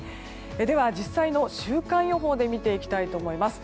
では実際の週間予報で見ていきたいと思います。